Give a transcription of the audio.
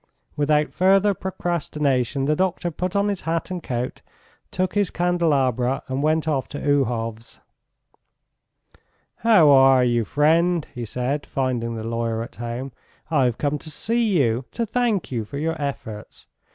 Without further procrastination the doctor put on his hat and coat, took the candelabra and went off to Uhov's. "How are you, friend!" he said, finding the lawyer at home. "I've come to see you ... to thank you for your efforts. .